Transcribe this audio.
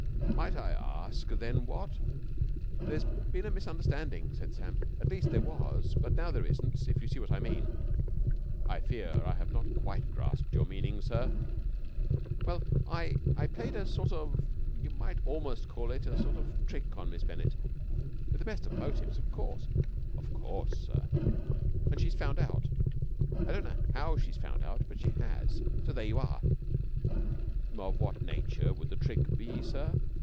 "Might I ask, then what...?" "There's been a misunderstanding," said Sam. "At least, there was, but now there isn't, if you see what I mean." "I fear I have not quite grasped your meaning, sir." "Well, I I played a sort of you might almost call it a sort of trick on Miss Bennett. With the best motives, of course!" "Of course, sir!" "And she's found out. I don't know how she's found out, but she has. So there you are!" "Of what nature would the trick be, sir?